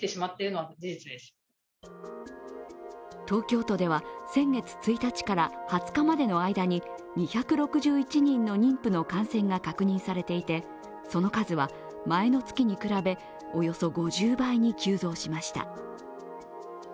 東京都では、先月１日から２０日までの間に２６１人の妊婦の感染が確認されていて、その数は前の月に比べおよそ５０倍に急増しました。